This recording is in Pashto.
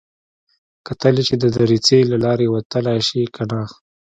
کتل يې چې د دريڅې له لارې وتلی شي که نه.